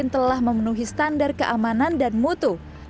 telah memenuhi standar keamanan dan mutu